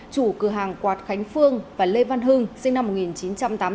chủ cửa hàng quạt khánh phương và lê văn hưng sinh năm một nghìn chín trăm tám mươi bốn